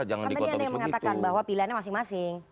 katanya ada yang mengatakan bahwa pilihannya masing masing